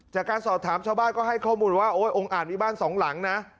จากการสอบถามชาวบ้านก็ให้ข้อมูลว่าโอ๊ยองค์อาจมีบ้านสองหลังนะ